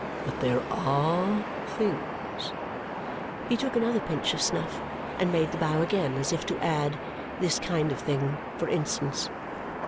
But there ARE things " He took another pinch of snuff and made the bow again, as if to add, "This kind of thing, for instance."